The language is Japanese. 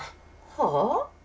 はあ？